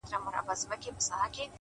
مثبت لید فرصتونه پیدا کوي؛